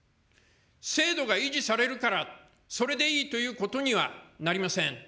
制度が維持されるからそれでいいということにはなりません。